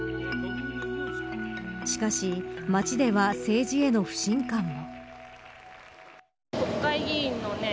しかし、街では政治への不信感も。